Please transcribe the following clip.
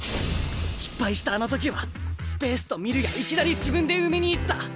失敗したあの時はスペースと見るやいきなり自分で埋めに行った。